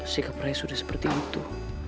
sikap raya sudah seperti itu